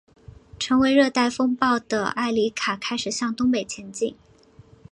成为热带风暴的埃里卡开始向东北前进。